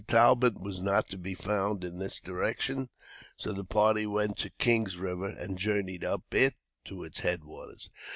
Talbot was not to be found in this direction, so the party went to Kings River, and journeyed up it to its head waters.